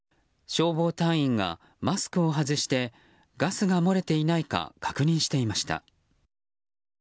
消防隊員がマスクを外してガスが漏れていないか確認していました。